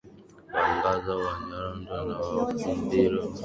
Wahangaza Wanyarwanda na Wafumbira na hii tunaipata kutokana na